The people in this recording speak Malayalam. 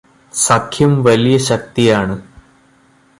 സഖ്യം വലിയ ശക്തിയാണ്.